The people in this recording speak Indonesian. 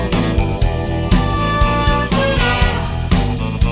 nunggu akang di surga